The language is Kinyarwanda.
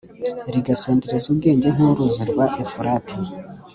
rigasendereza ubwenge nk'uruzi rwa efurati